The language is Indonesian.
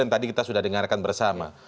yang tadi kita sudah dengarkan bersama